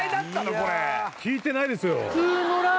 これ聞いてないですよ